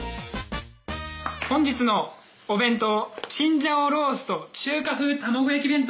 本日のお弁当チンジャオロースーと中華風卵焼き